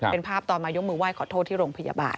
เป็นภาพตอนมายกมือไห้ขอโทษที่โรงพยาบาล